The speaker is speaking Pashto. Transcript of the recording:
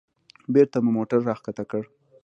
بېرته مو موټر راښکته کړ.